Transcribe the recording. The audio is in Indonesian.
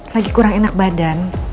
lagi kurang enak badan